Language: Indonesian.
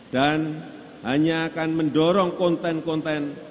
dan hanya akan mendorong konten konten